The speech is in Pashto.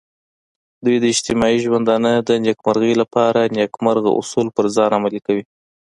دوی د اجتماعي ژوندانه د نیکمرغۍ لپاره نیکمرغه اصول پر ځان عملي کوي.